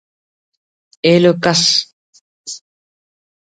ہلوک ئس